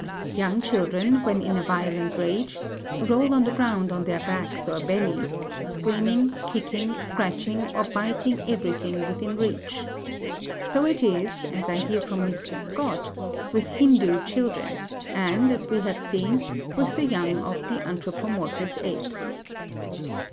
Young children, when in a violent rage roll on the ground on their backs or bellies, screaming, kicking, scratching, or biting everything within reach. So it is, as I hear from Mr. Scott, with Hindoo children; and, as we have seen, with the young of the anthropomorphous apes.